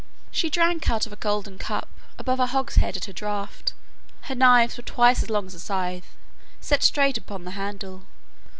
She drank out of a golden cup, above a hogshead at a draught. Her knives were twice as long as a scythe, set straight upon the handle.